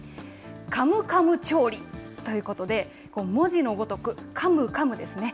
カムカム調理ということで、文字のごとく、カムカムですね。